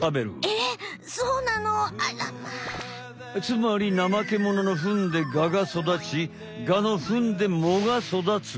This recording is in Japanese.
つまりナマケモノのフンでガがそだちガのフンで藻がそだつ。